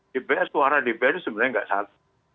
dpr suara dpr sebenarnya nggak satu